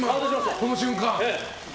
この瞬間。